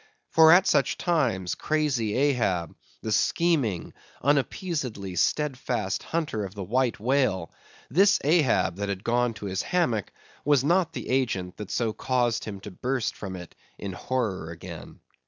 For, at such times, crazy Ahab, the scheming, unappeasedly steadfast hunter of the white whale; this Ahab that had gone to his hammock, was not the agent that so caused him to burst from it in horror again.